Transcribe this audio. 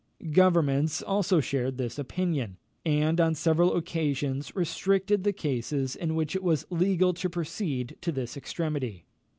Governments also shared this opinion, and on several occasions restricted the cases in which it was legal to proceed to this extremity.